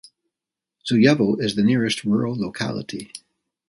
Zuyevo is the nearest rural locality.